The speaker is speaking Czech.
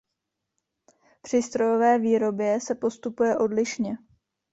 Při strojové výrobě se postupuje odlišně.